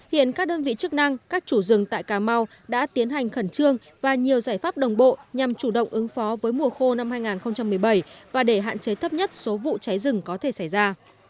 hiện các đơn vị chức năng các chủ rừng tại cà mau đã tiến hành khẩn trương và nhiều giải pháp đồng bộ nhằm chủ động ứng phó với mùa khô năm hai nghìn một mươi bảy và để hạn chế thấp nhất số vụ cháy rừng có thể xảy ra